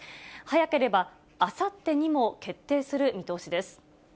早ければあさってにも決定する見通しです。